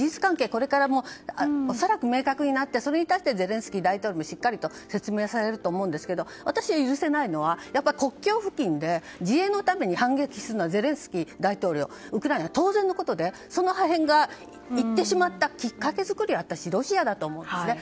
これから恐らく明確になってそれに対しゼレンスキー大統領もしっかりと説明されると思うんですが私が許せないのは国境付近で自衛のために反撃するのはゼレンスキー大統領ウクライナとしては当然のことでその破片が行ってしまったきっかけ作りはロシアだと思うんですね。